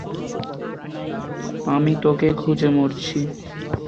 আমি তোকে খুঁজে মরছি!